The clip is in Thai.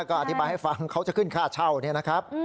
ก็อธิบายให้ฟังเขาจะขึ้นค่าเช่าเนี่ยนะครับ